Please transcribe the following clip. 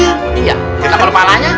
kita malu malu palanya